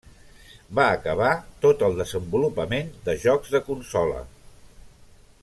Va acabar tot el desenvolupament de jocs de consola.